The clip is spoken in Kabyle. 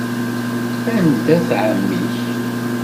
Anda-t ɛemmi-k?